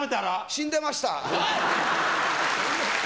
死んでました。